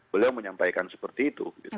beliau menyampaikan seperti itu